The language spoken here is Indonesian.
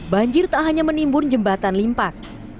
banjir tak hanya menimbun jembatan limpas